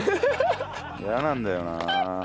イヤなんだよな。